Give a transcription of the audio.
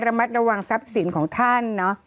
มัดระวังทรัพย์สินของท่านเนอะ